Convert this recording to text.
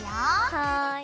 はい。